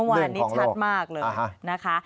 เมื่อวานนี้ชัดมากเลยนะคะ